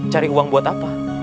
cari uang buat apa